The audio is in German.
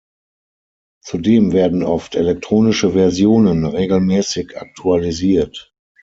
Zudem werden oft elektronische Versionen regelmäßig aktualisiert.